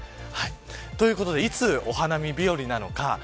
ということでいつお花見日和なのか。